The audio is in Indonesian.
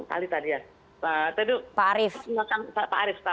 pak arief tadi ya